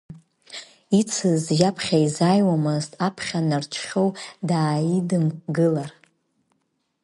Ицыз иаԥхьа изааиуамызт, аԥхьа Нарџхьоу дааидымгылар.